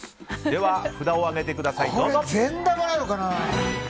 では札を上げてください、どうぞ。